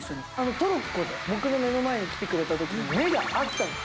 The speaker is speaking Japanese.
トロッコで僕の目の前に来てくれたとき、目が合ったんです。